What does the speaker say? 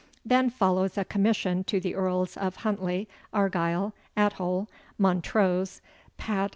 Then follows a commission to the Earls of Huntly, Argyle, Athole, Montrose, Pat.